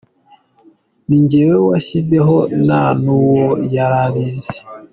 Ni njyewe wayishyizeho, nta n’ubwo yari abizi.